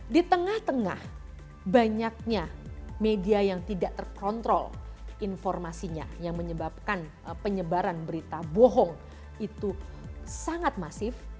di tengah tengah banyaknya media yang tidak terkontrol informasinya yang menyebabkan penyebaran berita bohong itu sangat masif